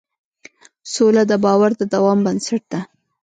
سوله د باور د دوام بنسټ ده.